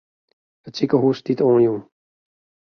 It sikehûs stiet oanjûn.